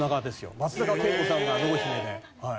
松坂慶子さんが濃姫で。